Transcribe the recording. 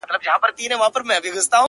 خپل جنون په کاڼو ولم؛